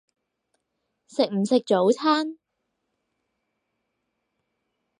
食唔食早餐？